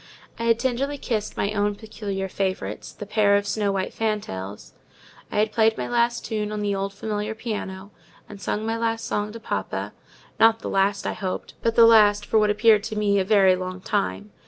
I had tenderly kissed my own peculiar favourites, the pair of snow white fantails; I had played my last tune on the old familiar piano, and sung my last song to papa: not the last, I hoped, but the last for what appeared to me a very long time.